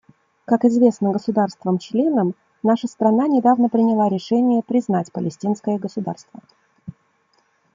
Как известно государствам-членам, наша страна недавно приняла решение признать палестинское государство.